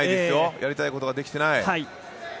やりたいことができてない。